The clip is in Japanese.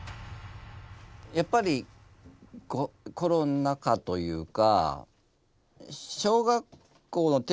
やっぱりコロナ禍というか。